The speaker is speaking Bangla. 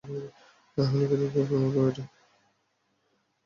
আহলি কিতাবদের অভিমতও এটাই।